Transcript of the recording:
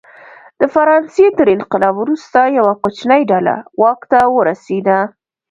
د فرانسې تر انقلاب وروسته یوه کوچنۍ ډله واک ته ورسېده.